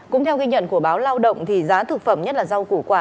cũng theo ghi nhận của báo lao động thì giá thực phẩm nhất là rau củ quả